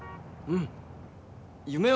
うん。